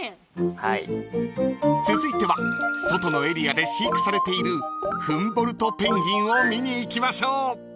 ［続いては外のエリアで飼育されているフンボルトペンギンを見に行きましょう］